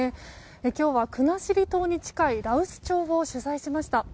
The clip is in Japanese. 今日は国後島に近い羅臼町を取材しました。